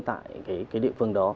tại cái địa phương đó